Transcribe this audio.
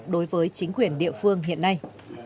đối với chính quyền địa phương hiện nay